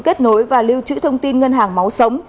kết nối và lưu trữ thông tin ngân hàng máu sống